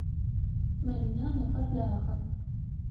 Маринэ ынэхэр дахэ.